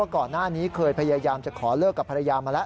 ก่อนหน้านี้เคยพยายามจะขอเลิกกับภรรยามาแล้ว